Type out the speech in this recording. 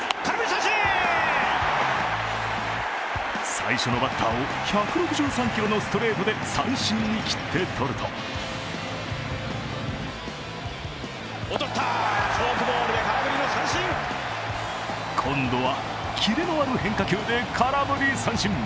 最初のバッターを１６３キロのストレートで三振に斬ってとると今度は、キレのある変化球で空振り三振。